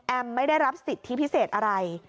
ไม่ได้รับสิทธิพิเศษอะไร